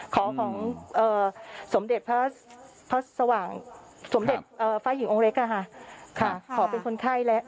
ขอของสมเด็จพระสว่างสวรรค์สมเด็จฟ้าหญิงองค์เล็กข่าค่ะ